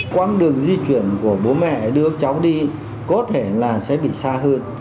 quãng đường di chuyển của bố mẹ đưa cháu đi có thể là sẽ bị xa hơn